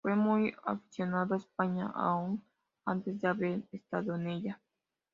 Fue muy aficionado a España aún antes de haber estado en ella.